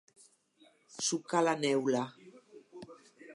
Sucar la neula.